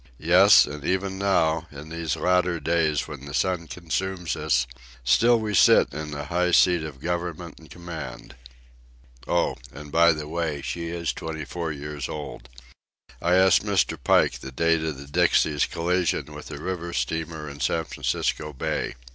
Yes, and even now, in these latter days when the sun consumes us, still we sit in the high seat of government and command. Oh—and by the way—she is twenty four years old. I asked Mr. Pike the date of the Dixie's collision with the river steamer in San Francisco Bay.